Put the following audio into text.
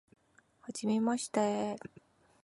はじめまして